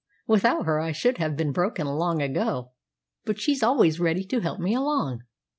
Without her I should have been broken long ago. But she's always ready to help me along."